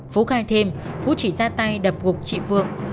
phú khai thêm phú chỉ ra tay đập gục chị vượng